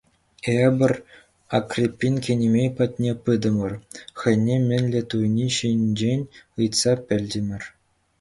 Эпир Акриппин кинемей патне пытӑмӑр, хӑйне мӗнле туйни ҫинчен ыйтса пӗлтӗмӗр.